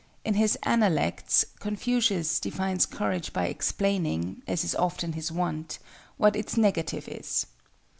In his "Analects" Confucius defines Courage by explaining, as is often his wont, what its negative is.